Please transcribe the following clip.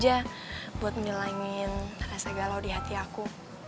cura cura aja buat menyelenggin rasa galau di hati aku